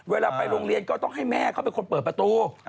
เวลาไปโรงเรียนก็ต้องให้แม่เขาเป็นคนเปิดประตู